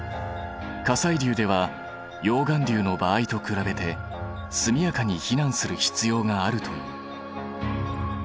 火砕流では溶岩流の場合と比べて速やかに避難する必要があるという。